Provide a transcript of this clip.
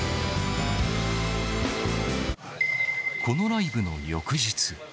このライブの翌日。